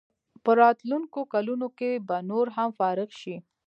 په راتلونکو کلونو کې به نور هم فارغ شي.